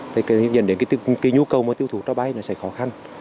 thì cái dẫn đến cái nhu cầu mà tiêu thụ cho bay nó sẽ khó khăn